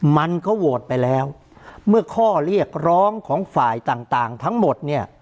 มันก็โหวตไปแล้วเมื่อข้อเรียกร้องของฝ่ายต่างต่างทั้งหมดเนี่ย